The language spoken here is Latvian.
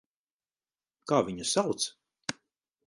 Kā viņu sauc?